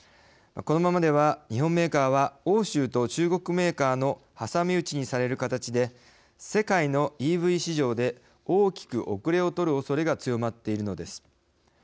このままでは、日本メーカーは欧州と中国メーカーの挟み撃ちにされる形で世界のＥＶ市場で大きく後れを取るおそれが強まっているのです。